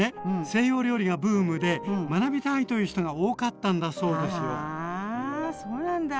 西洋料理がブームで学びたいという人が多かったんだそうですよ。はあそうなんだ。